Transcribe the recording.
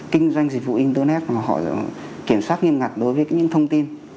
kinh doanh dịch vụ internet mà họ kiểm soát nghiêm ngặt đối với những thông tin